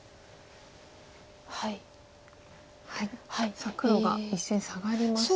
さあ黒が１線サガりまして